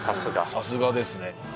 さすがですね。